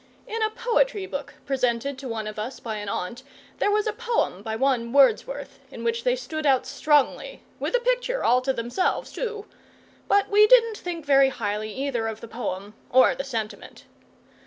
In a poetry book presented to one of us by an aunt, there was a poem by one Wordsworth in which they stood out strongly with a picture all to themselves, too but we didn't think very highly either of the poem or the sentiment.